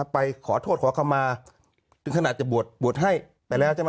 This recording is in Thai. ไปขอโทษขอเข้ามาถึงขนาดจะบวชบวชให้ไปแล้ว